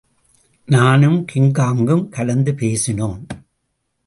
நானும் கிங்காங்கும் கலந்து பேசினோம்.